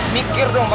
mikir dong pak